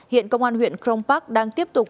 hiện công an huyện kronpark đang tiếp tục